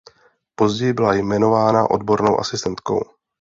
Později byla jmenována odbornou asistentkou.